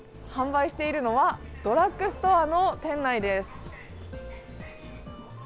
販売しているのは、ドラッグストアの店内です。